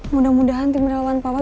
mudah mudahan tim relawan papan